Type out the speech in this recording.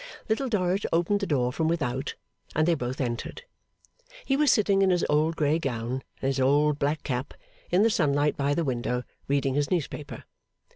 Little Dorrit opened the door from without, and they both entered. He was sitting in his old grey gown and his old black cap, in the sunlight by the window, reading his newspaper.